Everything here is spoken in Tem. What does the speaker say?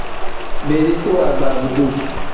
Beediti waagba abduu.